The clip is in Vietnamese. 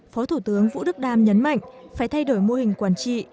phó thủ tướng vũ đức đam nhấn mạnh phải thay đổi mô hình quản trị